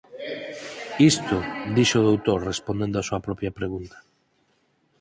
“Isto”, dixo o doutor, respondendo a súa propia pregunta.